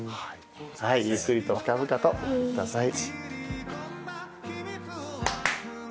はいゆっくりと深々とお参りください。